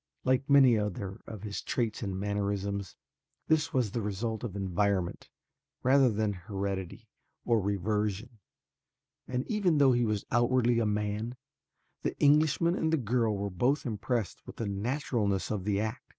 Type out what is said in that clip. Like many other of his traits and mannerisms this was the result of environment rather than heredity or reversion, and even though he was outwardly a man, the Englishman and the girl were both impressed with the naturalness of the act.